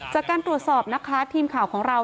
จากการตรวจสอบนะคะทีมข่าวของเรา